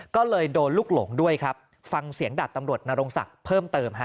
ก็เลยโดนลูกหลงด้วยครับฟังเสียงดาบตำรวจนรงศักดิ์เพิ่มเติมฮะ